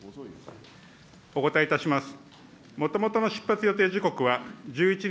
外務省、お答えいたします。